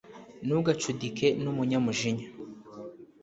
ntugacudike n'umunyamujinya